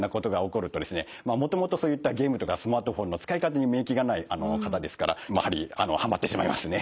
まあもともとそういったゲームとかスマートフォンの使い方に免疫がない方ですからやはりはまってしまいますね。